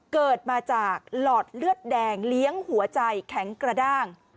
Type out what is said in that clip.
เกิดมาจากหลอดเลือดแดงเลี้ยงหัวใจแข็งกระด้าง